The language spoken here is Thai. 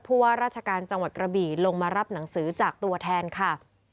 ว่าราชการจังหวัดกระบี่ลงมารับหนังสือจากตัวแทนค่ะ